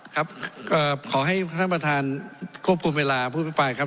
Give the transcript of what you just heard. ครับขอให้ท่านประธานควบคุมเวลาพูดภายครับ